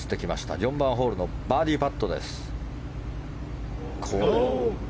４番ホールのバーディーパットです。